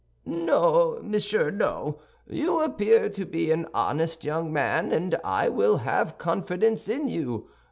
"No, monsieur, no; you appear to be an honest young man, and I will have confidence in you.